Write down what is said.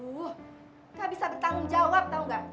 gak bisa bertanggung jawab tau gak